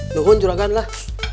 dohon juragan lah